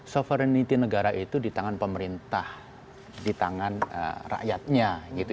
sovereignity negara itu di tangan pemerintah di tangan rakyatnya